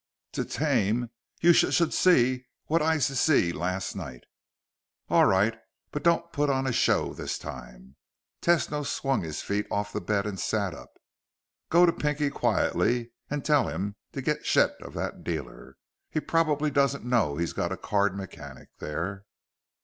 "T tame? You sh should s see what I s see. Last night " "All right! But don't put on a show this time." Tesno swung his feet off the bed and sat up. "Go to Pinky quietly and tell him to get shed of that dealer. He probably doesn't know he's got a card mechanic there."